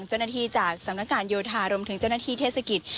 เจ้นตันที่จากสำนักการย์โยธารวมถึงเจ้นตันที่เทศกิษ